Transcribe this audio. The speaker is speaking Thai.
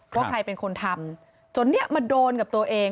ว่าใครเป็นคนทำจนเนี่ยมาโดนกับตัวเอง